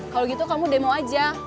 kalau gitu kamu demo aja